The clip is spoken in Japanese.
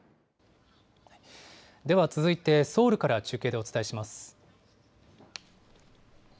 では続いてソウルから中継でお伝えします。